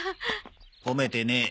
褒めてねえ。